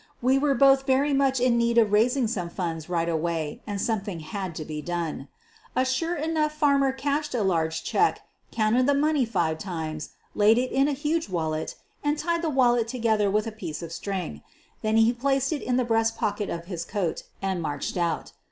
We were both very much in need of raising some funds right away, and something had to be done. A sure enough farmer cashed a large check, counted the money five times, laid it in a huge wal let, and tied the wallet together with a piece of string. Then he placed it in the breast pocket of his coat and marched out.